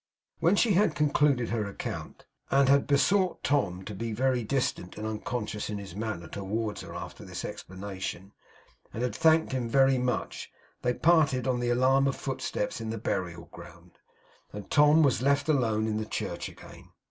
When she had concluded her account, and had besought Tom to be very distant and unconscious in his manner towards her after this explanation, and had thanked him very much, they parted on the alarm of footsteps in the burial ground; and Tom was left alone in the church again.